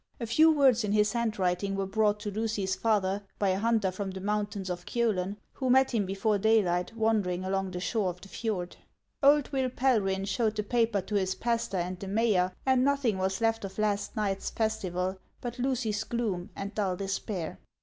A few words in his handwriting were brought to Lucy's father by a hunter from the mountains of Kiolen, who met him before daylight wandering along the shore of the fjord. Old Will Pelryhn showed the paper to his pastor and the mayor, and nothing was left of last night's festival but Lucy's gloom and dull despair.